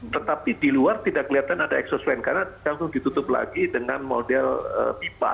tetapi di luar tidak kelihatan ada excessment karena langsung ditutup lagi dengan model pipa